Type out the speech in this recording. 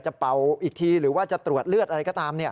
เป่าอีกทีหรือว่าจะตรวจเลือดอะไรก็ตาม